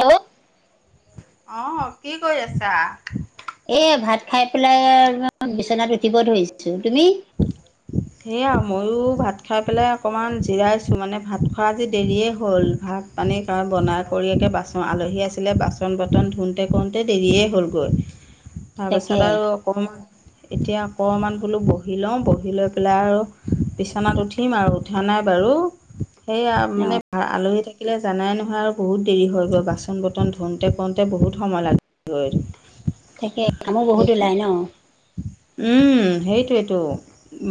Hello অহ কি কৰি আছা? এ ভাত খাই পেলাই বিচনাত উঠিব ধৰিছোঁ তুমি। [inaudible] সেয়া ময়ো ভাত খাই পেলাই অকণমান জিৰাইছোঁ মানে ভাত খোৱা আজি দেৰিয়ে হ'ল ভাত পানী বনাই কৰি বাচন আলহী আছিলে বাচন বৰ্তন ধুওঁতে কৰওঁতে দেৰিয়ে হ'লগৈ তাকে তাৰপিছত আৰু অকণমান এতিয়া অকণমান বোলো বহি লওঁ বহি লৈ পেলাই আৰু বিছনাত উঠিম আৰু উঠা নাই বাৰু সেইয়া অ মানে আলহী থাকিলে জানাই নহয় আৰু বহুত দেৰি হৈ গৈ বাচন বৰ্তন ধোওঁতে পওঁতে বহুত সময় লাগেগৈ। তাকে কামো বহুত ওলাই ন সেইটোৱেইটো।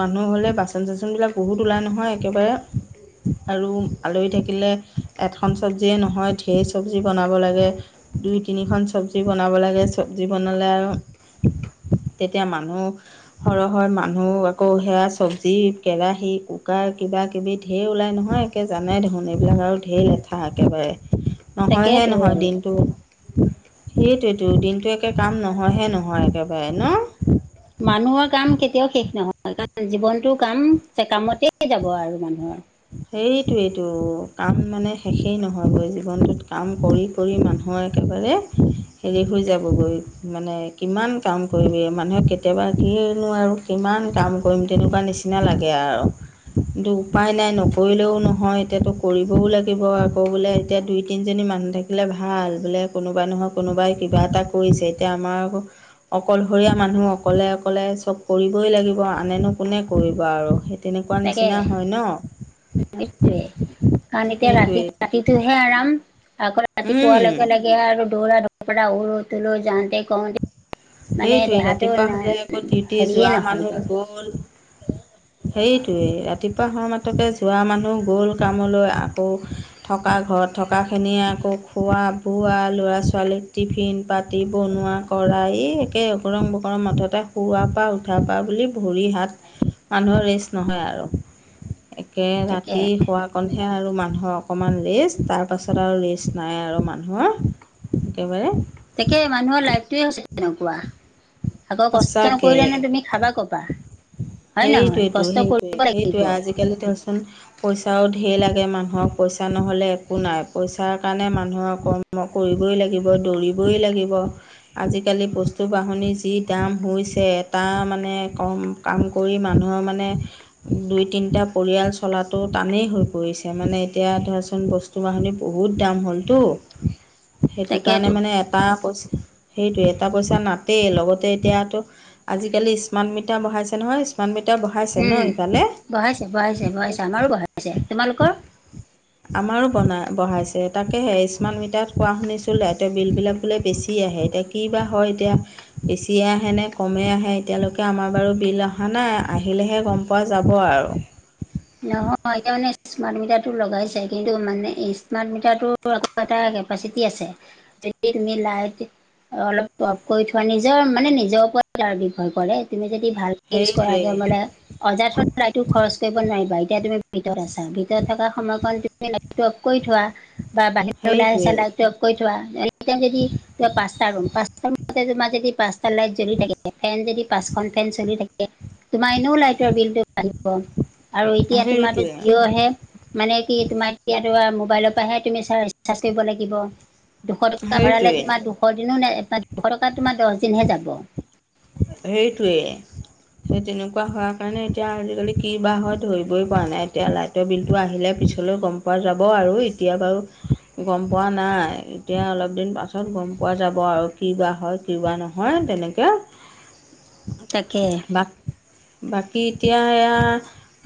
মানুহ হ'লে বাচন চাচনবিলাক বহুত ওলাই নহয় একেবাৰে আৰু আলহী থাকিলে এখন চব্জিয়ে নহয় ঢেৰ চব্জি বনাব লাগে। দুই তিনিখন চব্জি বনাব লাগে চব্জি বনালে আৰু তেতিয়া মানুহ সৰহৰ মানুহ আকৌ সেয়া চবজি কেৰাহী কুকাৰ কিবাকিবি ঢেৰ ওলাই নহয় একে জানাই দেখোন এইবিলাক আৰু ঢেৰ লেঠা একেবাৰে নহয় হে তাকেতো নহয় আৰু দিনটো। সেইটোতো দিনটো একে কাম নহয়হে নহয় একেবাৰে ন। মানুহৰ কাম কেতিয়াও শেষ নহয়। কাৰণ জীৱনটো কাম কামতেই যাব আৰু মানুহৰ। সেইটোইটো কাম মানে শেষেই নহয়গৈ জীৱনটোত কাম কৰি কৰি মানুহৰ একেবাৰে হেৰি হৈ যাবগৈ মানে কিমান কাম কৰিবি মানুহক কেতিয়াবা কি নোৱাৰোঁ, কিমান কাম কৰিম তেনেকুৱা নিচিনা লাগে আৰু কিন্তু উপায় নাই। কৰিলেও নহয় এতিয়াতো কৰিবও লাগিব আকৌ বোলে এতিয়া দুই তিনিজনী মানুহ থাকিব ভাল বোলে কোনোবাই নহয় কোনোবাই কিবা এটা কৰিছে এতিয়া আমাৰ অকলশৰীয়া মানুহ অকলে অকলে চব কৰিবই লাগিব আনেনো কোনে কৰিব আৰু সেই তেনেকুৱা নিচিনা হয় ন। য়ে কাৰণ এতিয়া ৰাতি সেইটোৱেই ৰাতিটোহে আৰাম আকৌ ৰাতিপুৱা উম লগে লগে আৰু দৌৰাপৰা উৰ তোলো যানতে কওঁতে। মানে সেইটোৱেই দেহাটো ৰাতিপুৱা হ'লে আকৌ ডিউটি হেৰিয়ে যোৱা মানুহ নহয়গৈ গ'ল। সেইৰিটোৱেই ৰাতিপুৱা সময়মাততে যোৱা মানুহ গ'ল কামলৈ আকৌ, থকা ঘৰত থকাখিনিয়ে আকৌ খোৱা বোৱা ল'ৰা ছোৱালীক টিফিন পাতি বনোৱা, কৰাই একেকৰং বকৰং মঠতে শুৱাৰ পৰা উঠাৰ পা বুলি ভৰি হাত, মানুহৰ ৰেষ্ট নহয় আৰু একে তাকে ৰাতি শুৱ কঠে আৰু মানুহৰ অকমান ৰেষ্ট তাৰ পাছত আৰু ৰেষ্ট নাই আৰু মানুহৰ। একেবাৰে তাকে মানুহৰ লাইফটোৱে হৈছে তেনেকুৱা আগৰ কষ্ট নকৰিলে সঁচাকে নে তুমি খাবা কবা হয় নহয় কষ্ট কৰিব লাগিব। গলে টেচন পইচাও ধঢেৰ লাগে মানুহক পইচা নহ'লে একো নাই পইচাৰ কাৰণে মানুহৰ কৰ্ম কৰিবই লাগিব, দৌৰিবই লাগিব। আজিকালি বস্তু বাহনি যি, দাম হৈছে এটা মানে কম কাম কৰি মানুহৰ মানে দুই তিনিটা পৰিয়াল চলাটো টানেই হৈ পৰিছে মানে এতিয়া ধৰাচোন বস্তু তোমাৰ হলি বহুত দাম হ'লতো সেইটো কাৰণে তাকেতো মানে এটা পইচা সেইটোে এটা পইচা নাাটই লগতে এতিয়াতো আজিকালি স্মাৰ্ট মিটাৰ বঢ়াইছে নহয় স্মাৰ্ট মিটাৰ বঢ়াইছে ন সফালে বঢ়াইছে-বঢ়াইছে-বঢ়াইছে আমাৰো বঢ়াইছে তোমালোকৰ আমাৰো বনাই বঢ়াইছে তাকেহে স্মাৰ্ট মিটাৰত কোৱা শুনিছোঁ লাইটৰ বিলবিলাক বোলে বেছি আহে এতিয়া কি বা হয় এতিয়া বেছিয়ে আহে নে কমেই আহে এতিয়ালৈকে আমাৰ বাৰু বিল অহা নাই আহিলেহে গম পাম। পোৱা যাব আৰু। নহয় এতিয়া মানে স্মাৰ্ট মিটাৰটো লগাইছে কিন্তু মানে স্মাৰ্ট মিটাৰটো এটা কেপাচিটি আছে, যদি তুমি লাইট অলপ অফ কৰি থোৱা, নিজৰ মানে নিজৰ ওপৰত নিৰ্ভৰ কৰে, তুমি যদি যদি ভালকে ইউজ কৰা, সেইটোৱে যে বুলে অযথা লাইটটো খৰচ কৰিম নোৱাৰা, এতিয়া তুমি ভিতৰত আছা ভিতৰত থাকা সময়খন তুমি লাইটটো অফ কৰি থোৱা। বা বাহিৰলৈ ওলাই আহিছা সেইটোৱে লাইকটো অফ কৰি থোৱা, এনেকে যদি পাঁচটা ৰুম পাঁচটা ৰুমত তোমাৰ যদি পাঁচটা লাইট জ্বলি থাকে, ফেন যদি পাঁচখন ফেন চলি থাকে তোমাৰ এনেও লাইটৰ বিলটো বাঢ়িব আৰু এতিয়া তোমাৰ সেইটোৱে জিঅ'হে। মানে কি তোমাৰ মোবাইলৰ পৰাহে তুমি ৰিচাৰ্জ চিচাৰ কৰিব লাগিব। দুশ টকা ভৰালে সেইটোৱে তোমাৰ দুশ দিনো নাই, দুশ টকা তোমাৰ দহ দিনহে যাব। সেইটোৱে। সেই তেনেকুৱা হোৱাৰ কাৰণে এতিয়া আজিকালি কি বা হয় ধৰিবই পৰা নাই, এতিয়া লাইট টৰ বিলটো আহিলে পিছলৈ গ'ম পোৱা যাব আৰু, এতিয়া বাৰু গ'ম পোৱা নাই। এতিয়া অলপ দিন পাছত গম পোৱা যাব আৰু কি বা হয় কি বা নহয় তেনেকে। তাকে। বাক বাকী এতিয়া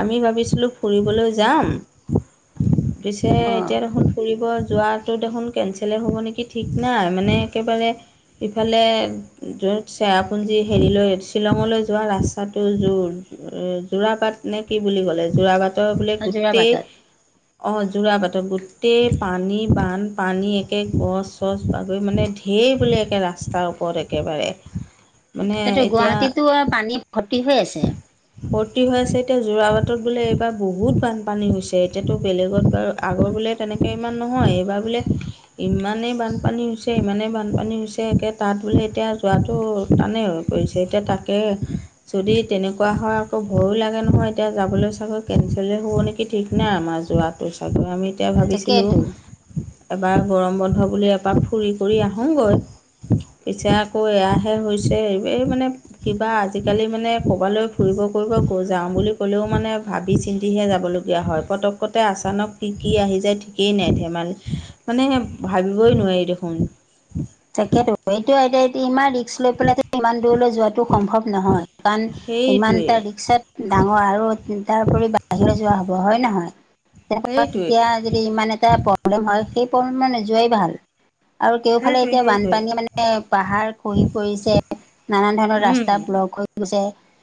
আমি ভাবিছিলোঁ ফুৰিবলৈ যাম পিছে এতিয়া অ' দেখোন ফুৰিব যোৱাটো দেখোন কেচেলেই হ'ব নেকি ঠিক নাই, মানে একেবাৰে ইফালে জ'ৰ্ছ চেৰাপুঞ্জী হেৰিলৈ শ্বিলঙলৈ যোৱা ৰাস্তাটো জোৰ এ, জোৰা বাট নে কি বুলি ক'লে, জোৰাবাটৰ বোলে গোটেই যোৰাবাটত অ' জোৰা বাটত গোটেই পানী, বানপানী, একে গছ চছ বাগৈ মানে দেৰ একে ৰাস্তাৰ ওপৰত একেবাৰে। মানে তাতে এতিয়া গুৱাহাটীতো পানী ভৰ্তি হৈ আছে। ভৰ্তি হৈ আছে, এতিয়া জোৰা বাটত বোলে এইবাৰ বহুত বানপানী হৈছে, এতিয়াতো বেলেগত বাৰু আগৰ বোলে তেনেকৈ ইমান নহয়, এইবাৰ বোলে ইমানেই বানপানী হৈছে, ইমানেই বানপানী হৈছে একে তাত বোলে এতিয়া যোৱাটো টানেই আৰু। পৰিছে এতিয়া তাকে যদি তেনেকুৱা হয় আকৌ ভয়ো লাগে নহয়, এতিয়া যাবলৈ চাগৈ কেঞ্চলে হ'ব নেকি ঠিক নাই আমাৰ যোৱা টো চাগৈ, আমি এতিয়া ভাবিছিলোঁ তাকেইতো। এবাৰ গৰম বন্ধ বুলি এপাক ফুৰি কৰি আহোঁগৈ। পিছে আকৌ এয়াহে হৈছে, এই মানে কিবা আজিকালি মানে ভবালৈ ফুৰিব যাওঁ বুলি ক'লেও মানে ভাবি চিন্তিহে যাবলগীয়া হয়, পটক ক'তে আচানক কি কি আহি যায় ঠিকেই নাই, ধেমালী মানে ভাবিবই নোৱাৰি দেখোন। তাকেতো, এইটো এতিয়া ইমান ৰি ৰিক্স লৈ পেলাই ইমান দূৰলৈ যোৱাটো সম্ভৱ নহয় কাৰণ ইমান সেইটোৱে এটা ৰিক্সাত ডাঙৰ আৰু তাৰ উপৰি বাহিৰলৈ যোৱা হ'ব হয় নহয়? সেইটোৱে তেতিয়া যদি ইমান এটা প্ৰব্লেম হয় সেই প্ৰব্লেমত নোযোৱাই ভাল। আৰু কেউফালে সেইটোৱে এতিয়া সেইটোৱে বানপানী মানে পাহাৰ খহি পৰিছে, নানান ধৰণৰ ৰাস্তা উম ব্লক হৈ ছে,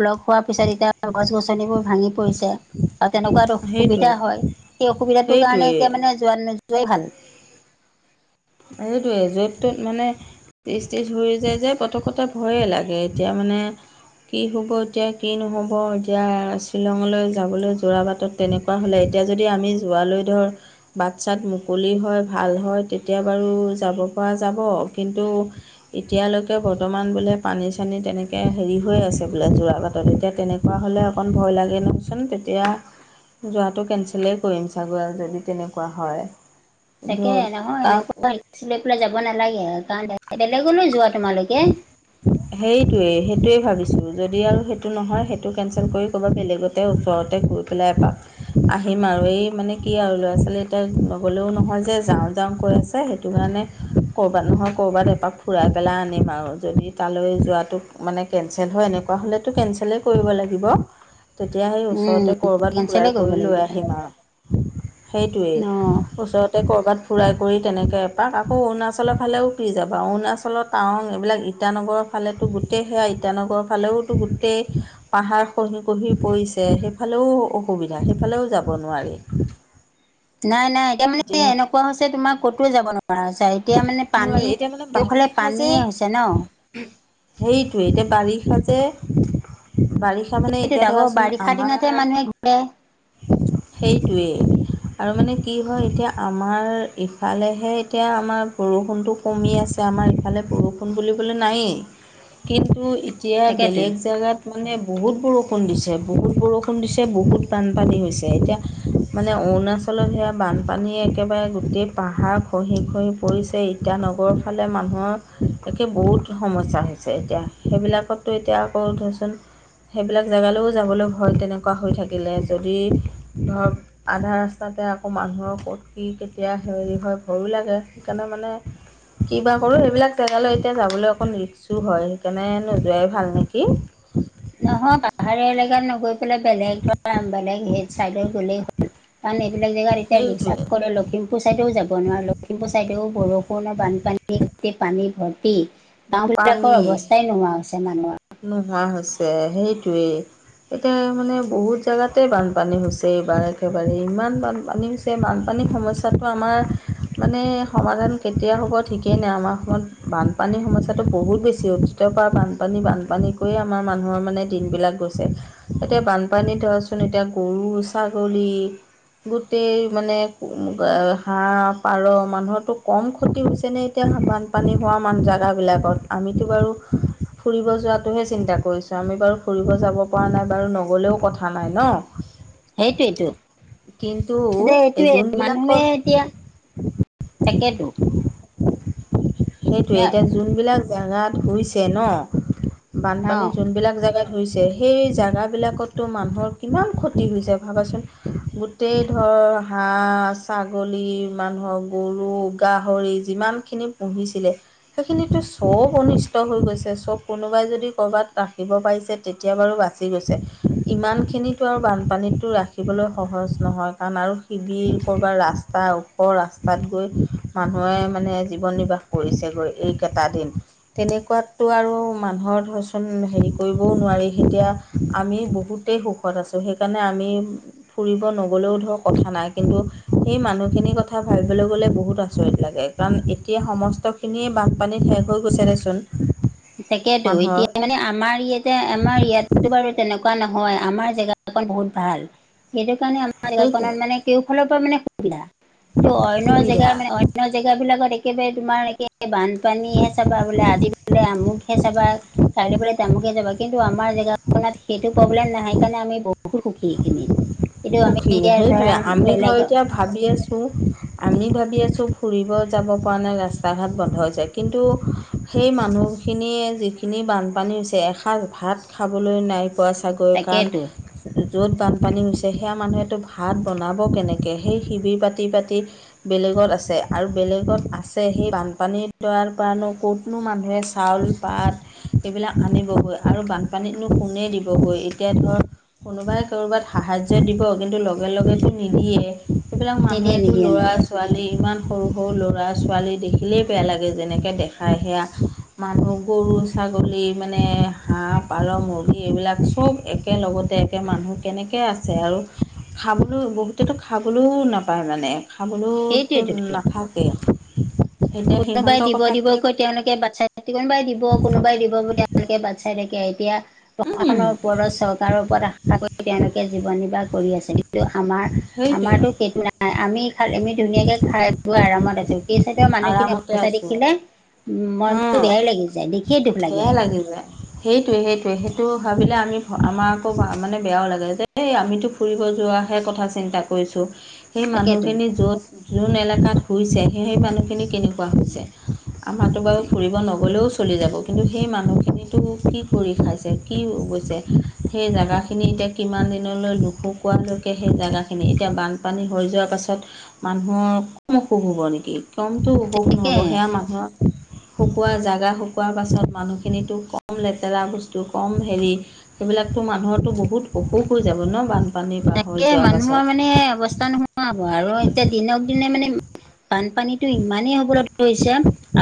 ব্লক হোৱাৰ পিছত এতিয়া গছ গছনিবোৰ ভাঙি পৰিছে। আৰু তেনেকুৱাত অসুবিধা সেইটোৱে হয়, সেই অসুবিধাটোৰ কাৰণে সেইটোৱে এতিয়া মানে যোৱা নোযোৱাই ভাল। এইটোয়ে য'ত টো মানে ত্ৰিছ ত্ৰিছ হৈ যায় যে পটকতে ভয়ে লাগে, এতিয়া মানে কি হ'ব এতিয়া কি নহ'ব এতিয়া শ্বিলঙলৈ যাবলৈ যোৰা বাটত তেনেকুৱা হ'লে এতিয়া যদি আমি যোৱালৈ ধৰ বাট চাত মুকলি হয় ভাল হয় এতিয়া বাৰু যাব পৰা যাব, কিন্তু এতিয়ালৈকে বৰ্তমান বোলে পানী চানী তেনেকৈ হেৰি হৈ আছে বোলে যোৰাবাটত। এতিয়া তেনেক কুৱা হ'লে অকণ ভয় লাগে নহয়চোন। তেতিয়া যোৱাটো কেঞ্চেলেই কৰিম ছাগৈ যদি তেনেকুৱা হয়। তাকে ধৰ নহয় তাক এনেকুৱা ৰিক্সলৈ পেলাই যাব নালাগে কাৰণ, বেলেগলৈ যোৱা তোমালোকে। সেইটোৱেই সেইটোৱেই ভাবিছোঁ যদি আৰু সেইটো নহয় সেইটো কেঞ্চেল কৰি ক'ৰবাত বেলেগতে ওচৰতে গৈ পেলাই এপাক আহিম আৰু, এই মানে কি আৰু ল'ৰা ছোৱালী এতিয়া নগ'লেও নহয় যে যাওঁ যাওঁ কৈ আছে সেইটো কাৰণে ক'ৰবাত নহয় ক'ৰবাত এপাক ফুৰাই আনিম আৰু, যদি তালৈ যোৱাটো মানে কেঞ্চেল হয় এনেকুৱা হ'লেতো কেঞ্চেলেই কৰিব লাগিব। তেতিয়া সেই উম ওচৰতে ক'বাত ফুৰাই কেনচেলে কৰিব কৰি লৈ লাগিব এতিয়া আহিম আৰু। সেইটোৱেই অ। ওচৰত তে ক'ৰবাত ফুৰাই কৰি তেনেকৈ এপাক, আকৌ অৰুণাচলৰ ফালেও কি যাবা। অৰুণাচলত টাৱং এইবিলাক ইটানগৰৰ ফালেতো গোটেই সেয়া ইটানগৰৰ ফালেওতো গোটেই পাহাৰ খহি খহি পৰিছে, সেইফালেও অসুবিধা সেইফালেও যাব নোৱাৰি। নাই নাই এতিয়া মানে এনেকুৱা হৈছে তোমাৰ ক'তোও যাব নোৱাৰা। এতিয়া মানে পানী নোৱাৰি এতিয়া কেউফালে পানীয়ে হৈছে ন। সেইটোয়ে এতিয়া বাৰিষাযে বাৰিষা। তাৰ মানে এতিয়া সেইটোত আকৌ ধৰাচোন বাৰিষা আমাৰ দিনতহে মানুহে ঘূৰে। সেইটোৱেই, আৰু মানে কি হয় এতিয়া আমাৰ ইফালেহে এতিয়া আমাৰ বৰষুণটো কমি আছে আমাৰ ইফালে বৰষুণ বুলিবলৈ নায়েই, কিন্তু এতিয়া তাকেতো বেলেগ জেগাত মানে বহুত বৰষুণ দিছে বহুত বৰষুণ দিছে বহুত বানপানী হৈছে। এতিয়া মানে অৰুণাচলত সেয়া বানপানী একেবাৰে গোটেই পাহাৰ খহি খহি পৰিছে, ইটানগৰৰ ফালে মানুহৰ একে বহুত সমস্যা হৈছে এতিয়া। সেইবিলাকততো এতিয়া আকৌ ধৰচোন সেইবিলাক জেগালৈও যাবলৈ ভয় তেনেকুৱা হৈ থাকিলে। যদি ধৰক আধা ৰাস্তাতে আকৌ মানুহৰ ক'ত কি কেতিয়া হেৰি হয় ভয়ো লাগে। সেইকাৰণে মানে কিবা কৰো সেইবিলাক জেগালৈ এতিয়া যাবলৈ অকণ ৰিক্সো হয়, সেইকাৰণে নোযোৱাই ভাল নেকি। নহয় পাহাৰীয়া এলেকাত নগৈ পেলাই বেলেগ ধৰা বেলেগ চাইদে গ'লেই হ কাৰন এইবিলাক জেগাত এতিয়া হিংসাক সেইটোৱে দৰ লগত লখিমপুৰ চাইডেও যাব নোৱাৰা লখিমপুৰ চাইডেও বৰষুণৰ বানপানী গোটেই পানী ভৰ্তি। গাঁও বিলাকৰ পানী অৱস্থাই নোহোৱা হৈছে মানুহৰ। নোহোৱা হৈছে সেইটোৱেই। এতিয়া মানে বহুত জেগাতে বানপানী হৈছে, এইবাৰ একেবাৰে ইমান বানপানী হৈছে। যে বানপানীৰ সমস্যাটো আমাৰ মানে সমাধান কেতিয়া হ'ব ঠিকেই নাই, আমাৰ অসমত বানপানীৰ সমস্যাটো বহুত বেছি হ তীতৰ পা বানপানী বানপানী কৰিয়েই আমাৰ মানুহৰ মানে দিনবিলাক গৈছে। এতিয়া বানপানীত ধৰকচোন এতিয়া গৰু ছাগলী গোটেই মানে আ হাঁহ পাৰ মানুহৰটো কম ক্ষতি হৈছে নে? তিয়া বানপানী হোৱা মান জেগাবিলাকত আমিতো বাৰু ফুৰিব যোৱাত টোহে চিন্তা কৰিছো, আমি বাৰু ফুৰিব যাব পৰা নাই বাৰু নগ'লেও কথা নাই ন। সেইটোইটো কিন্তু এতিয়া এই এইটোৱে মানুহে যোনবিলাকত এতিয়া তাকেটো সেইটোৱে এতিয়া যোনবিলাক জেগাতই হৈছে ন' অ বানপানী যোনবিলাক জেগাত হৈছে সেই জেগাবিলাকত টো মানুহৰ কিমান ক্ষতি হৈছে ভাবাচোন গো টেই ধৰ হাঁহ, ছাগলী মানুহৰ গৰু, গাহৰি যিমানখিনি পুঢ়িছিলে সেইখিনিটো চব অনিষ্ট হৈ গৈছে চব কোনোবাই যদি ক'ৰবাত ৰাখিব পাৰিছে। তেতিয়া বাৰু বাচি গৈছে ইমানখিনোটো আৰু বানপানীতটো ৰাখিবলৈ সহজ নহয় কাৰণ আৰু শিবিৰ ক'ৰবাৰ ৰাস্তা ওখ ৰাস্তাত গৈ মানুহে মানে জীৱন নিৰ্বাহ কৰিছে গৈ এইকেইটা দিন। তেনেকুৱাতটো আৰু মানুহৰ ধৰচোন হেৰি কৰিবও নোৱাৰি এতিয়া আমি বহুতেই সুখ খত আছোঁ সেইকাৰণে আমি ফুৰিব নগ'লেও ধৰক কথা নাই কিন্তু সেই মানুহখিনিৰ কথা ভাবিবলৈ গ'লে বহুত আচৰিত লাগে। কাৰণ এতিয়া সমস্তখিনিয়ে বানপানীত শেষ হৈ গৈছে দে চুন তাকেতো এতিয়া মানে আমাৰ ইয়াতে আমাৰ ইয়াতটো বাৰু তেনেকুৱা নহয় আমাৰ জেগা কন বহুত ভাল। সেইটো কাৰণে আমাৰ জেগাখনত সেইটোৱে মানে কেওফালৰ পৰা মানে সুবিধা কিন্তু অইনৰ জেগাৰ সুবিধা মানে অই ন জেগাবিলাকত একেবাৰে তোমাৰ একে বানপানীহে চাবা বোলে আজি বুলে আমুক হে চাবা কাইলৈ বোলে তামুকে যাবা কিন্তু আমাৰ জেগাখনত সেইটো প্ৰব্লেম নহয় কাৰণে আমি বহুত সুখী এইখিনিত। এইটো আমি সুখী, এতিয়া সেইটোৱে ধৰা আমি ধৰ বেলেগৰ এতিয়া ভাবি আছোঁ আমি ভাবি আছোঁ ফুৰিব যাব পৰা নাই ৰাস্তা ঘাট বন্ধ হৈ যায়। কিন্তু, সেই মানুহখিনিয়ে যিখিনি বানপানী হৈছে এসাঁজ ভাত খাবলৈ নাই পোৱা ছাগৈ, কাৰণ তাকেতো য'ত বানপানী হৈছে, তে সেয়া মানুহেতো ভাত বনাব কেনেকে? সেই শিবিৰ পাতি-পাতি, বেলেগত আছে আৰু বেলেগত আছে সেই বানপানী দোৱাৰ পৰানো ক'ত কোনো মানুহে চাউল পাত এইবিলাক আনিবগৈ আৰু বানপানীতনো কোনে দিবগৈ এতিয়া ধৰ কোনোবাই কৰবাত সাহাৰ্য দিব কিন্তু ত' লগে-লগে নিদিয়ে। সেইবিলাক নিদিয়ে মানুহেটো নিদিয়ে ল'ৰা নিদিয়ে ছোৱালী ইমান সৰু-সৰু ল'ৰা ছোৱালী দেখিলেই বেয়া লাগে যেনেকৈ দেখাই সেয়া মানুহ গৰু, ছাগলী মানে হাঁহ, পাৰ, মুৰ্গী এইবিলাক চব একেলগতে তে মানুহ কেনেকৈ আছে? আৰু খাবলৈ বহুতেতো খাবলৈও নাপায় মানে খাবলৈওতো সেইটোৱেতো নাথাকে। কোনোবাই দিব দিব কৈ তেওঁলোকে বাচ্ছাই কোনোবাই দিব, কোনোবাই দিব বুলি তেওঁলোকে বাট চাই থাকে। এতিয়া প্ৰশাসনৰ ওপৰতৰত চক কাৰ ওপৰত আশা কৰি তেওঁলোকে জীৱন নিৰ্বাহ কৰি আছে কিন্তু আমাৰ সেইটোৱে আমাৰো সেইটো নাই আমি খাল আমি ধুনীয়াকে খাই আৰামত আছো খেই চাইদৰ মানুহ আৰামতে অৱস্থা আছো দেখিলে উম, মনতটো বেয়াই লাগি যায় দেখিয়ে দুখ লাগে। তাকিব [unintelligible] সেইটোৱে-সেইটোৱে সেইটো ভাবিলে আমি আমাৰ আকৌ মানে বেয়াও লাগে যে এই আমিতো ফুৰিব যোৱাহে কথা চিন্তা কৰিছোঁ। সেই তাকেতো মানুহখিনি য'ত যোন এলেকাত শুইছে স সেই মানুহখিনি কেনেকুৱা হৈছে। মহাটো বাৰু ফুৰিব নগ'লেও চলি যাব। কিন্তু সেই মানুহখিনিতো কি কৰি খাইছে? কি গৈছে সেই জেগাখিনি এতিয়া কিমান দিনলৈ নুখুকোৱালৈকে সেই জেগাখিনি, এতিয়া বানপানী হৈ যোৱাৰ পাছত মানুহৰ কম অসুখ হ'ব নেকি, কমটো অসুখ নহ'ব তাকে সেয়া মানুহৰ শুকোৱা জাগা শুকোৱাৰ পাছত মানুহখিনিতো কম লেতেৰা বস্তু, কম হেৰি সেইবিলাকতো মানুহৰো বহুত অসুখ হৈ যাব ন' বান তাকে মানুহৰ মানে অৱস্থা নোহোৱা হ'ব আৰু এতিয়া দিনক দিনে মানে বানপানীতো ইমানেই হ'বলৈ ধৰিছে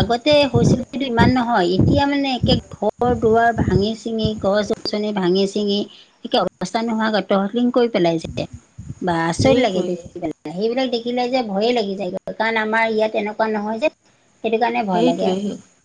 আগতে হৈছিল কিন্তু ইমান নহয়, এতিয়া মানে একে ঘৰ দুৱাৰ ভাঙি চিঙি গছ নি ভাঙি চিঙি একে অৱস্থা নোহোৱা গত কৈ পেলাইছে বা আচৰিত লাগে দেখি সেইটোৱেই পেলাই। সেইবিলাক দেখিলেযে ভয়ে লাগি যায়গৈ কাৰণ আমাৰ ইয়াত এনেকুৱা নহয় যে। সেইটো কাৰণে ভয় লাগে আৰু। সেইটোৱেই